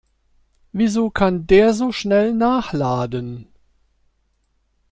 Wieso kann der so schnell nachladen?